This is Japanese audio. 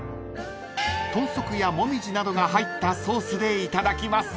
［豚足やもみじなどが入ったソースでいただきます］